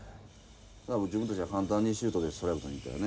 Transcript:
だから自分たちは簡単にシュートでストライク取りにいったよね。